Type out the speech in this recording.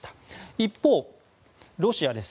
一方、ロシアです。